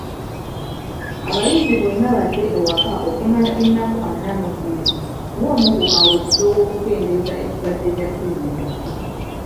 Abayizi bonna badde ewaka okumala ennaku ana mu bbiri ng’omu ku kaweefube w’okukendeeza ekirwadde kya ssennyiga.